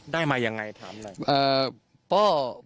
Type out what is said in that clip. ได้มายังไงถามหน่อย